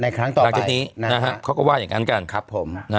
ในครั้งต่อไปเขาก็ว่ายังงั้นกันครับผม